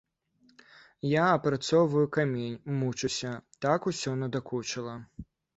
Я апрацоўваю камень, мучуся, так усё надакучыла.